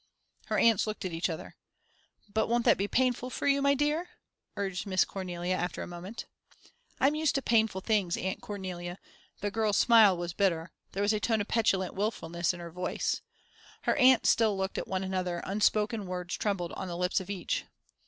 Her aunts looked at each other. "But won't that be painful for you, my dear?" urged Miss Cornelia, after a moment. "I'm used to painful things, Aunt Cornelia." The girl's smile was bitter; there was a tone of petulant wilfulness in her voice. Her aunts still looked at one another unspoken words trembled on the lips of each.